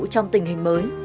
trong tình hình mới